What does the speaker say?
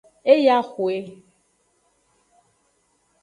E yi axwe.